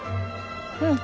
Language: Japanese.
うん。